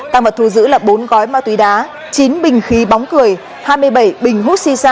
tăng vật thu giữ là bốn gói ma túy đá chín bình khí bóng cười hai mươi bảy bình hút xì xa